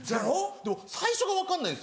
でも最初が分かんないんですよ。